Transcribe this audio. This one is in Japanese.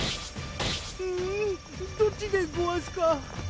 うんどっちでごわすか？